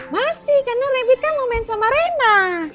masih karena rabbitnya mau main sama reina